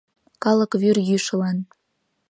Калык вӱр йӱшылан...